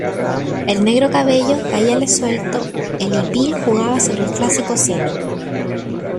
el negro cabello caíale suelto, el hipil jugaba sobre el clásico seno.